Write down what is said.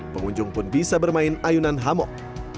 pengunjung pun bisa bermain ayunan hamok